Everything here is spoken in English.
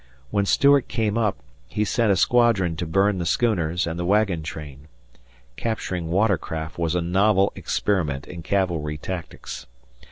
When Stuart came up, he sent a squadron to burn the schooners and the wagon train. Capturing watercraft was a novel experiment in cavalry tactics.